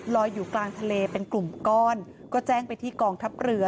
อยู่กลางทะเลเป็นกลุ่มก้อนก็แจ้งไปที่กองทัพเรือ